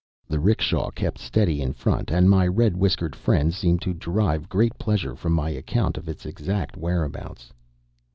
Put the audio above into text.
The 'rickshaw kept steady in front; and my red whiskered friend seemed to derive great pleasure from my account of its exact whereabouts.